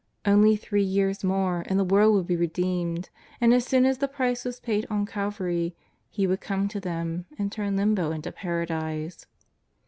Only three years more and the world would be redeemed, and as soon as the price was paid on Calvary He would come to them and turn Limbo into Paradise.